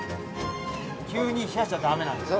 急に冷やしちゃ駄目なんですね。